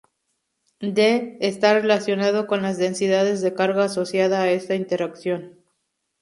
D está relacionado con las densidades de carga asociada a esta interacción.